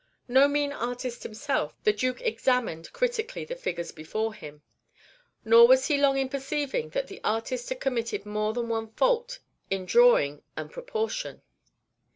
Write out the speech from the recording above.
No mean artist himself, the Duke examined critically the figures before him; nor was he long in perceiving that the artist had committed more than one fault in drawing and proportion.